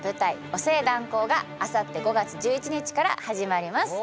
「お勢、断行」があさって５月１１日から始まります